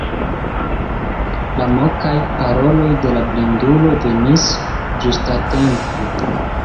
La mokaj paroloj de la blindulo venis ĝustatempe.